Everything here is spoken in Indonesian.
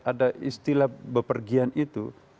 ada istilah bepergian itu